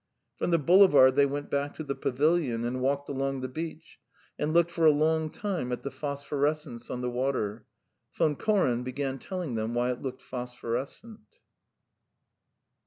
From the boulevard they went back to the pavilion and walked along the beach, and looked for a long time at the phosphorescence on the water. Von Koren began telling them why it looked phosphorescent.